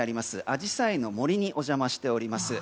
あじさいの森にお邪魔しております。